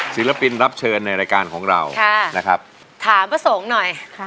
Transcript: ศิลปินรับเชิญในรายการของเราค่ะนะครับถามประสงค์หน่อยค่ะ